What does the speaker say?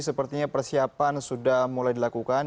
sepertinya persiapan sudah mulai dilakukan